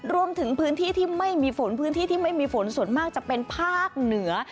รวมถึงพื้นที่ที่ไม่มีฝนพื้นที่ที่ไม่มีฝนส่วนมากจะเป็นภาคเหนือ